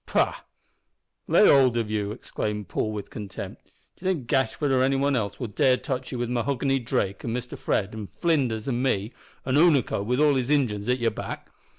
"Pooh! lay hold of you!" exclaimed Paul, with contempt; "d'ye think Gashford or any one else will dare to touch you with Mahoghany Drake an' Mister Fred an' Flinders an' me, and Unaco with all his Injins at your back?